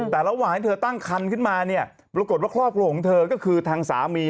แต่ระหว่างที่เธอตั้งคันขึ้นมาเนี่ยปรากฏว่าครอบครัวของเธอก็คือทางสามี